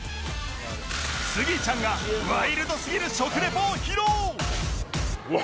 スギちゃんがワイルドすぎる食レポを披露